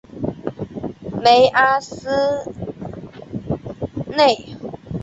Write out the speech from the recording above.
梅阿斯内。